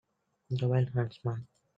The wild huntsman